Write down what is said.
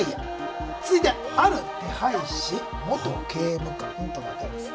続いて「ある手配師」「元刑務官」となっております。